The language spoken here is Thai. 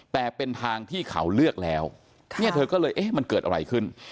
แต่เป็นทางที่เขาเลือกแล้วเนี่ยเธอก็เลยเอ๊ะมันเกิดอะไรขึ้น